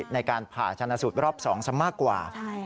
ในการผ่าชนะสูตรรอบ๒ซะมากกว่า